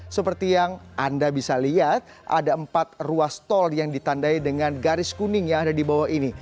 seperti yang anda bisa lihat ada empat ruas tol yang ditandai dengan garis kuning yang ada di bawah ini